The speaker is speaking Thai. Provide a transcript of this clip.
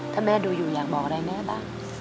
ถ้าแม่ดูอยู่อยากบอกอะไรแม่บ้าง